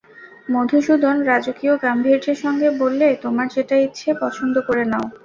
মধুসূদন রাজকীয় গাম্ভীর্যের সঙ্গে বললে, তোমার যেটা ইচ্ছে পছন্দ করে নাও।